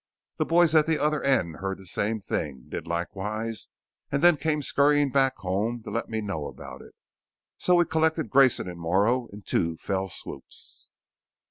The boys at the other end heard the same thing, did likewise, and then came scurrying back home to let me know about it. So we collected Grayson and Morrow in two fell swoops."